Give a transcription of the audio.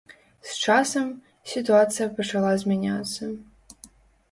З часам, сітуацыя пачала змяняцца.